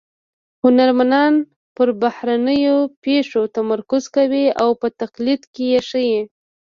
هنرمنان پر بهرنیو پېښو تمرکز کوي او په تقلید کې یې ښيي